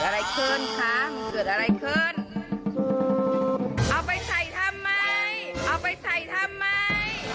เอาออกมันไม่ใช่แมทไม่ใช่แมทเอาออกมา